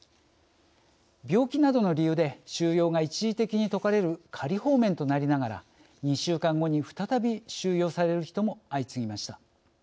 病気などの理由で収容が一時的に解かれる仮放免となりながら２週間後に再び収容される人も相次ぎました。